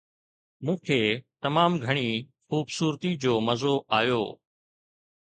مون کي تمام گهڻي خوبصورتي جو مزو آيو